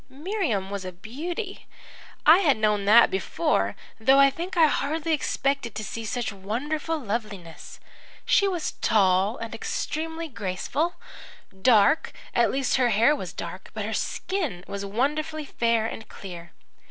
"Miriam was a beauty. I had known that before, though I think I hardly expected to see such wonderful loveliness. She was tall and extremely graceful, dark at least her hair was dark, but her skin was wonderfully fair and clear.